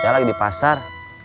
saya lagi di pasar